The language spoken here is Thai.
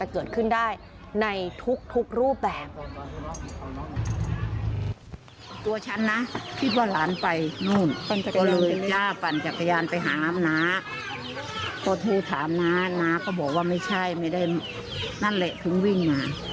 ก็เลยปัญจักรยานไปหาวันหน้า